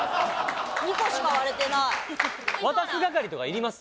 ２個しか割れてない。